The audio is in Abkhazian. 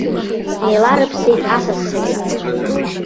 Инеиларыԥсеит асасцәагьы.